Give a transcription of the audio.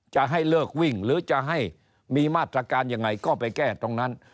จะให้เลิกวิ่งหรือจะให้มีมาตรการยังไงก็ไปแก้ตรงนั้น